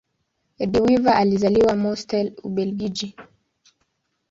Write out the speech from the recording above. De Wever alizaliwa Mortsel, Ubelgiji.